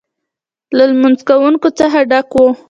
له لمونځ کوونکو څخه ډک و.